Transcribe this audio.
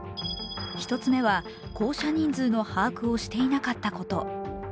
１つ目は、降車人数の把握をしていなかったこと。